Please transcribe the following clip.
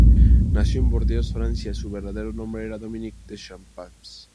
Nacido en Burdeos, Francia, su verdadero nombre era Dominique Deschamps.